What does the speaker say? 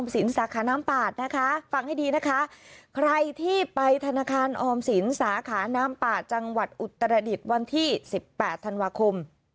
ศิลป์สาขาน้ำปาดจังหวัดอุตรดิษฐ์วันที่๑๘ธันวาคม